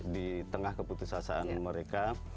di tengah keputusasaan mereka